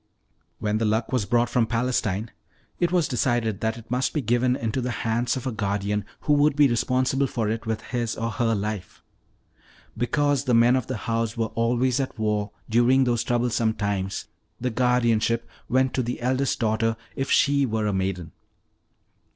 "When the Luck was brought from Palestine, it was decided that it must be given into the hands of a guardian who would be responsible for it with his or her life. Because the men of the house were always at war during those troublesome times, the guardianship went to the eldest daughter if she were a maiden.